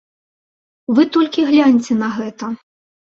Вы толькі гляньце на гэта!